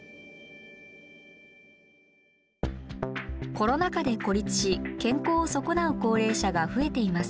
コロナ禍で孤立し健康をそこなう高齢者が増えています。